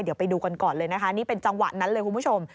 เดี๋ยวไปดูกันก่อนเลยนะคะนี่เป็นจังหวะนั้นเลยคุณผู้ชม